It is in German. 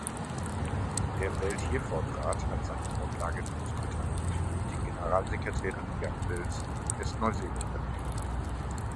Der "Welt-Hereford-Rat" hat seine Grundlage in Großbritannien, die Generalsekretärin Jan Wills ist Neuseeländerin.